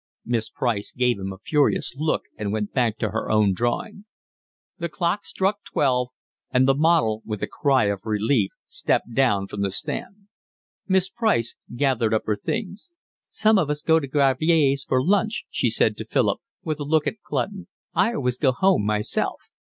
Miss Price gave him a furious look, and went back to her own drawing. The clock struck twelve, and the model with a cry of relief stepped down from the stand. Miss Price gathered up her things. "Some of us go to Gravier's for lunch," she said to Philip, with a look at Clutton. "I always go home myself."